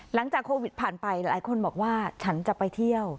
หลังจากโควิดผ่านไปหลายคนบอกว่าฉันจะไปเที่ยว